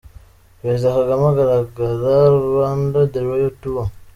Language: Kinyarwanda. Perezida Kagame agaragara Rwanda The Royal Tour.